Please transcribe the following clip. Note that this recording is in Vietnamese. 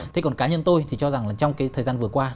thế còn cá nhân tôi thì cho rằng là trong cái thời gian vừa qua